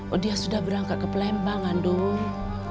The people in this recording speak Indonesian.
oh dia sudah berangkat ke pelembang andung